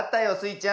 ちゃん。